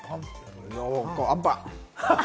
あんぱん。